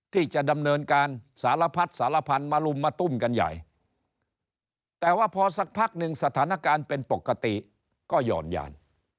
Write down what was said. ที่จะดำเนินการสารพัดสารพันธุ์มาลุมมาตุ้มกันใหญ่แต่ว่าพอสักพักหนึ่งสถานการณ์เป็นปกติก็หย่อนยาน